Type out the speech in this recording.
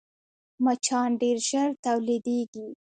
مچان ډېر ژر تولیدېږي